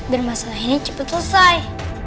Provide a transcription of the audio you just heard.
biar masalah ini cepet selesai